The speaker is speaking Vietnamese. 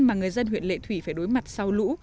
mà người dân huyện lệ thủy phải đối mặt sau lũ